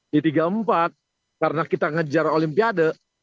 di tiga empat karena kita mengejar olimpiade